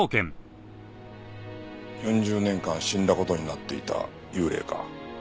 ４０年間死んだ事になっていた幽霊か。